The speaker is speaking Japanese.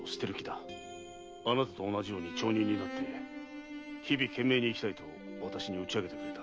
あなたと同じように町人になって日々懸命に生きたいと私に打ち明けてくれた。